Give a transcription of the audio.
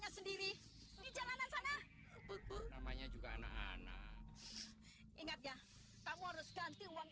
sendiri di jalanan sana ibu namanya juga anak anak ingat ya kamu harus ganti uang